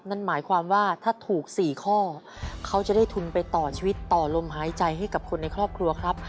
นั่นหมายความว่าถ้าถูก๔ข้อเขาจะได้ทุนไปต่อชีวิตต่อลมหายใจให้กับคนในครอบครัวครับ